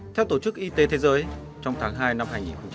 theo tổ chức y tế thế giới trong tháng hai năm hai nghìn hai mươi